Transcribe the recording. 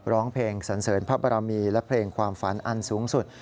ร้องเพลงสันเสริญพระบรมีและเพลงความฝันอันสูงสุด